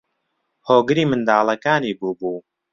هۆگری منداڵەکانی بووبوو